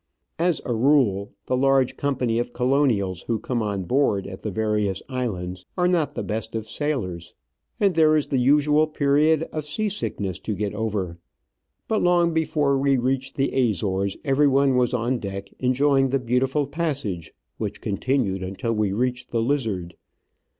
As a rule, the large company of Colonials who come on board at the various islands are not the best of sailors, and Digitized by VjOOQIC 222 TA'AVELS and A D VENTURES there is the usual period of sea sickness to get over ; but long before we reached the Azores everyone was on deck enjoying the beautiful passage, which con tinued until we reached the Lizard.